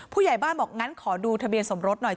ผู้ใหญ่บ้านบอกงั้นขอดูทะเบียนสมรสหน่อย